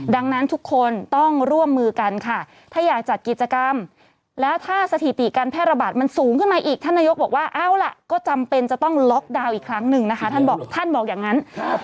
ดังนั้นทุกคนต้องร่วมมือกันค่ะถ้าอยากจัดกิจกรรมแล้วถ้าสถิติการแพร่ระบาดมันสูงขึ้นมาอีกท่านนายกบอกว่าเอาล่ะก็จำเป็นจะต้องล็อกดาวน์อีกครั้งหนึ่งนะคะท่านบอกท่านบอกอย่างนั้น